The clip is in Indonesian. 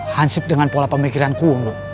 hansip dengan pola pemikiran ku